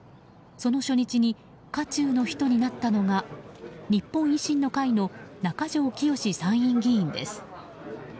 その初日に渦中の人になったのが日本維新の会の中条きよし参議院議員です。